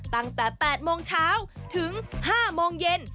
ตั้งแต่๘โมงเช้าถึง๕โมงเย็น